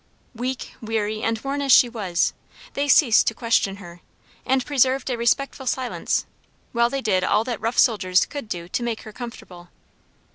Weak, weary, and worn as she was, they ceased to question her, and preserved a respectful silence, while they did all that rough soldiers could do to make her comfortable.